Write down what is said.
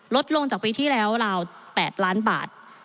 ลดลงจากปีที่แล้วราว๘ล้านบาท